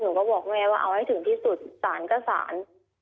หนูก็บอกแม่ว่าเอาให้ถึงที่สุดสารก็สาร